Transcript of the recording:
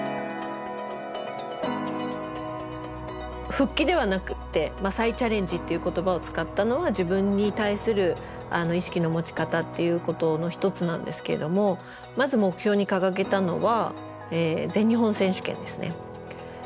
復帰ではなくって再チャレンジっていう言葉を使ったのは自分に対する意識の持ち方っていうことの一つなんですけれどもまず目標に掲げたのは全日本選手権ですね。